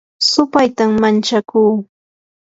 supaytam manchakuu